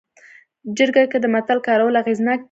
جرګه کې د متل کارول اغېزناک دي